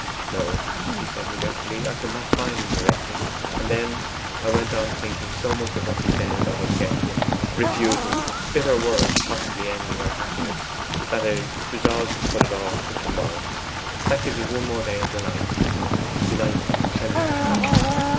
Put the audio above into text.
'No,' he said regretfully, 'I could not find him directly; and then I went on thinking so much of what you said about objections, refusals bitter words possibly ending our happiness, that I resolved to put it off till to morrow; that gives us one more day of delight delight of a tremulous kind.